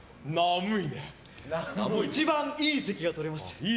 一番いい席が取れました。